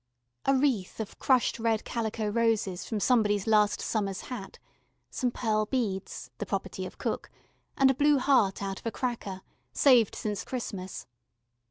A wreath, of crushed red calico roses from somebody's last summer's hat, some pearl beads, the property of cook, and a blue heart out of a cracker saved since Christmas.